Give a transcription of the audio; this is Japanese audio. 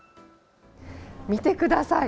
見てください。